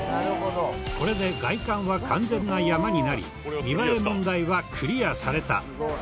これで外観は完全な山になり見栄え問題はクリアされた。